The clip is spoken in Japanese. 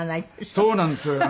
そうなんです。